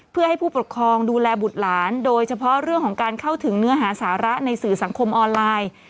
เพื่อให้ผู้ปกครองดูแลบุตรหลานโดยเฉพาะเรื่องของการเข้าถึงเนื้อหาสาระในสื่อสังคมออนไลน์